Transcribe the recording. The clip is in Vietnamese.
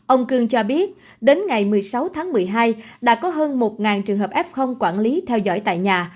ông cương cho biết đến ngày một mươi sáu tháng một mươi hai đã có hơn một trường hợp f quản lý theo dõi tại nhà